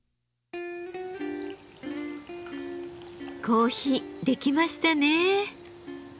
コーヒーできましたね。